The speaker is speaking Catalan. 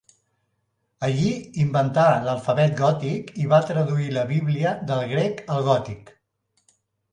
Allí inventà l'alfabet gòtic i va traduir la Bíblia del grec al gòtic.